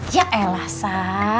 ya elah sa